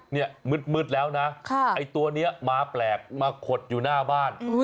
มีตัวตาวฮะ